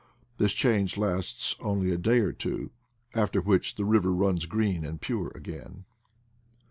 This change lasts only a day or two, after which the river runs green and pure again.